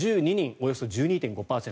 およそ１２．５％。